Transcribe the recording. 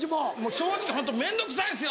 正直ホント面倒くさいんですよ！